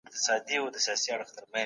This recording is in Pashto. که مرغه و که ماهی د ده په کار و